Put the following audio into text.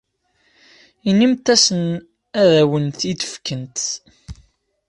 Inimt-asent ad awent-t-id-fkent.